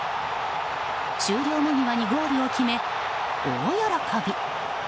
終了間際にゴールを決め、大喜び。